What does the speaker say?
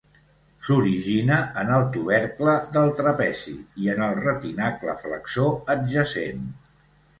S'origina en el tubercle del trapezi i en el retinacle flexor adjacent.